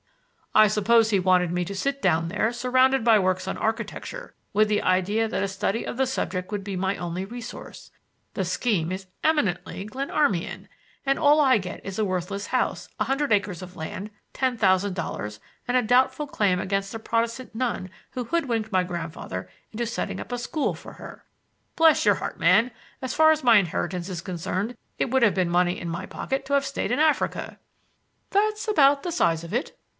"I suppose he wanted me to sit down there, surrounded by works on architecture, with the idea that a study of the subject would be my only resource. The scheme is eminently Glenarmian! And all I get is a worthless house, a hundred acres of land, ten thousand dollars, and a doubtful claim against a Protestant nun who hoodwinked my grandfather into setting up a school for her. Bless your heart, man, so far as my inheritance is concerned it would have been money in my pocket to have stayed in Africa." "That's about the size of it."